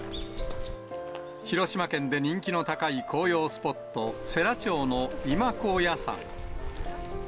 広島県で人気の高い紅葉スポット、世羅町の今高野山。